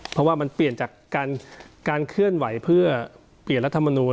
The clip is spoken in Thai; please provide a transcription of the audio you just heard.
เพราะว่ามันเปลี่ยนจากการเคลื่อนไหวเพื่อเปลี่ยนรัฐมนูล